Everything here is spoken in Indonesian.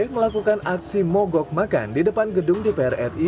melakukan aksi mogok makan di depan gedung dpr ri